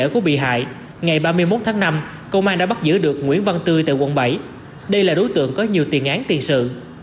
công an đã bắt giữ được nguyễn văn tư tại quận bảy đây là đối tượng có nhiều tiền án tiền sự